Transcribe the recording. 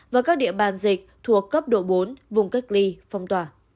và các địa bàn dịch thuộc cấp độ bốn vùng cách ly phong tỏa